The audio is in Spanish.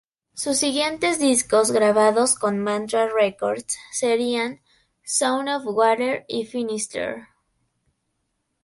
Sus siguientes discos, grabados con Mantra Records, serían "Sound Of Water" y "Finisterre".